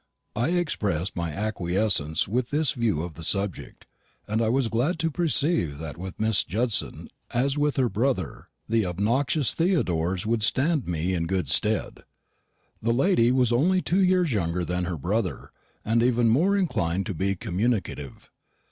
I expressed my acquiescence with this view of the subject; and I was glad to perceive that with Miss Judson, as with her brother, the obnoxious Theodores would stand me in good stead. The lady was only two years younger than her brother, and even more inclined to be communicative.